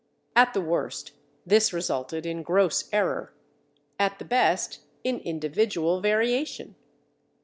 At the worst, this resulted in gross error; at the best, in individual variation.